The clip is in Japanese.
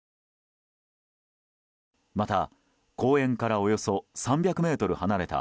また、公園からおよそ３００ｍ離れた